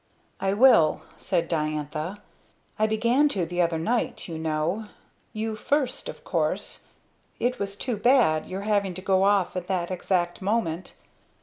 "I will," said Diantha. "I began to the other night, you know, you first of course it was too bad! your having to go off at that exact moment.